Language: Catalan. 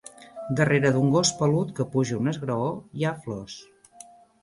Darrere d'un gos pelut que puja un esgraó hi ha flors.